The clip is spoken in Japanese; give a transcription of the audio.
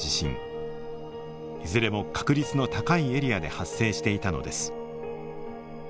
いずれも確率の高いエリアで発生していたのです。